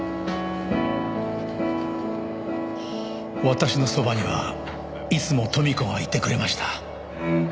「私のそばにはいつも豊美子がいてくれました」